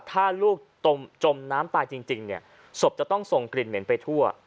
ถ้าลูกจมน้ำตายจริงเนี่ยศพจะต้องส่งกลิ่นเหม็นไปทั่ว